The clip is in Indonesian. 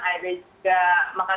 ada juga makan makan